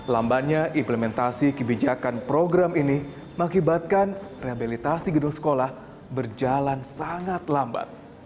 lambannya implementasi kebijakan program ini mengakibatkan rehabilitasi gedung sekolah berjalan sangat lambat